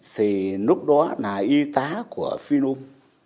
thì lúc đó là y tá của phiên ùm